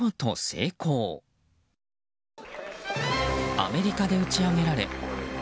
アメリカで打ち上げられ。